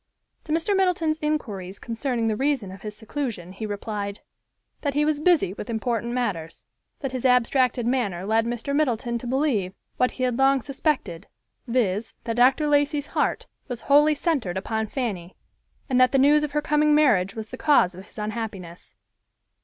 To Mr. Middleton's inquiries concerning the reason of his seclusion, he replied, "that he was busy with important matters"; but his abstracted manner led Mr. Middleton to believe what he had long suspected, viz., that Dr. Lacey's heart was wholly centered upon Fanny, and that the news of her coming marriage was the cause of his unhappiness.